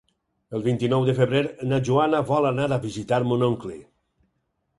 El vint-i-nou de febrer na Joana vol anar a visitar mon oncle.